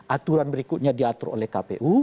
aturan berikutnya diatur oleh kpu